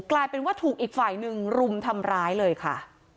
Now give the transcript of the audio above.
กลายเป็นว่าถูกอีกฝ่ายหนึ่งรุมทำร้ายเลยค่ะ